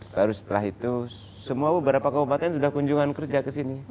baru setelah itu semua beberapa kabupaten sudah kunjungan kerja ke sini